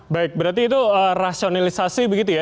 baik berarti itu rasionalisasi begitu ya